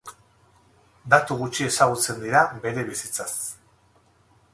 Datu gutxi ezagutzen dira bere bizitzaz.